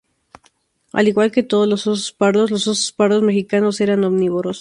Al igual que todos los osos pardos, los osos pardos mexicanos eran omnívoros.